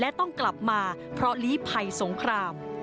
และต้องกลับมาเพราะลีภัยสงคราม